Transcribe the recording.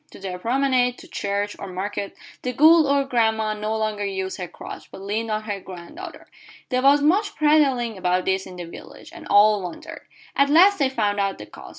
To the promenade, to church, or market, the good old grandame no longer used her crutch, but leaned on her granddaughter. There was much prattling about this in the village, and all wondered. At last they found out the cause.